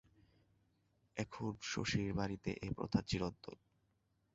এখন, শশীর বাড়িতে এ প্রথা চিরন্তন।